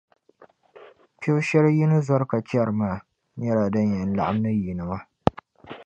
Kpibu shεli yini zɔri ka chεri maa, nyɛla din yɛn laɣim ni yinima